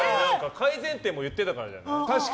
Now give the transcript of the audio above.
改善点も言ってたからじゃない？